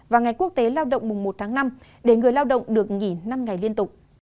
và ngày quốc tế lao động mùng một tháng năm để người lao động được nghỉ năm ngày liên tục